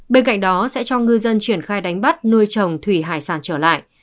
bên cạnh đó sẽ cho ngư dân triển khai đánh bắt nuôi trồng thủy hải sản trở lại